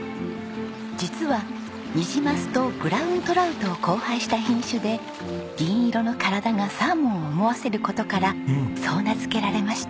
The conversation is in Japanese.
実はニジマスとブラウントラウトを交配した品種で銀色の体がサーモンを思わせる事からそう名付けられました。